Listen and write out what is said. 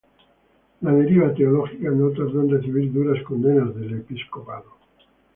La deriva teológica no tardó en recibir duras condenas del episcopado.